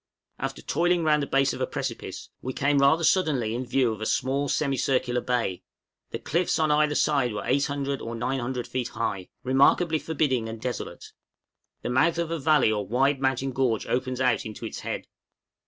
} After toiling round the base of a precipice, we came rather suddenly in view of a small semicircular bay; the cliffs on either side were 800 or 900 feet high, remarkably forbidding and desolate; the mouth of a valley or wide mountain gorge opens out into its head.